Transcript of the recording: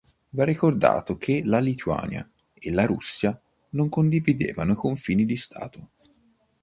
Va ricordato che la Lituania e la Russia non condividevano confini di stato.